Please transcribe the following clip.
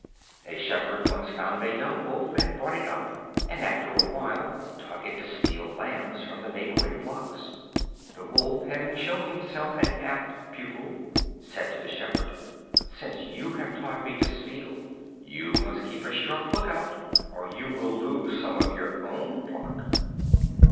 A Shepherd once found a young Wolf, and brought it up, and after a while taught it to steal lambs from the neighboring flocks. The Wolf, having shown himself an apt pupil, said to the Shepherd: "Since you have taught me to steal, you must keep a sharp look out, or you will lose some of your own flock."